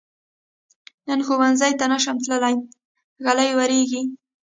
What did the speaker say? نن ښؤونځي ته نشم تللی، ږلۍ وریږي.